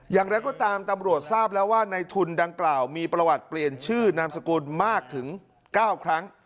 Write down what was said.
อย่างไรก็ตามตำรวจทราบแล้วว่าในทุนดังกล่าวมีประวัติเปลี่ยนชื่อนามสกุลมากถึง๙ครั้ง